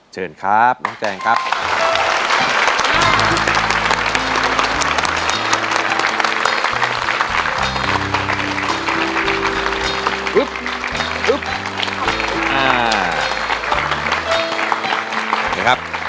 เชิญครับน้องแตงครับ